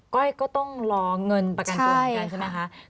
้อยก็ต้องรอเงินประกันตัวเหมือนกันใช่ไหมคะ